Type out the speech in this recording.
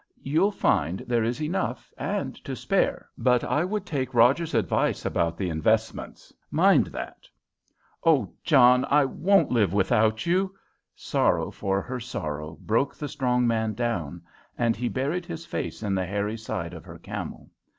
You'll find there is enough and to spare, but I would take Rogers's advice about the investments. Mind that!" "O John, I won't live without you!" Sorrow for her sorrow broke the strong man down, and he buried his face in the hairy side of her camel.